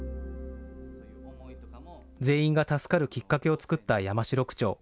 全員が助かるきっかけを作った山城区長。